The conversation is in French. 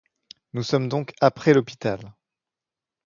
Nous sommes donc après l’hôpital.